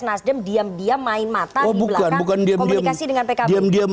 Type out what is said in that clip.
nasdem diam diam main mata di belakang komunikasi dengan pkb